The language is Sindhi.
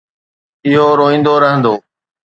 اهو روئندو رهندو.